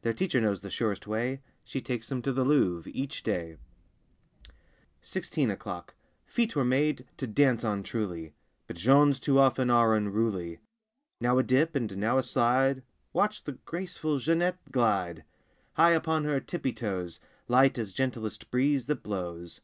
Their teacher knows the surest way: She takes them to the Louvre each day. 37 i FIFTEEN O'CLOCK 39 SIXTEEN O'CLOCK F eet were made to dance on, truly; But Jean's too often are unruly. Now a dip and now a slide— Watch the graceful Jeanette glide! High upon her tippy toes, Light as gentlest breeze that blows.